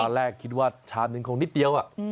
แรกคิดว่าชามนึงคงนิดเดียว